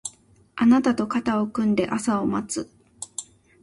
あなたと肩を組んで朝を待つ